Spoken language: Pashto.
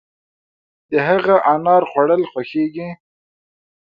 د هغه د انار خوړل خوښيږي.